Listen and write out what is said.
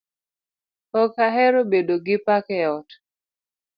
Ok ahero bedo gi paka e ot